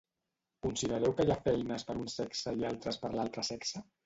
Considereu que hi ha feines per un sexe i altres per l'altre sexe?